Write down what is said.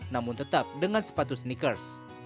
namun tetap dengan sepatu sneakers